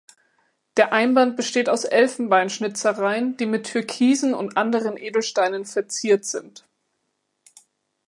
Der Einband besteht aus Elfenbein-Schnitzereien, die mit Türkisen und anderen Edelsteinen verziert sind.